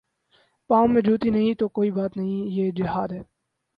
پاؤں میں جوتی نہیں تو کوئی بات نہیں یہ جہاد ہے۔